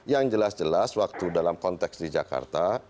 yang jelas jelas waktu dalam konteks di jakarta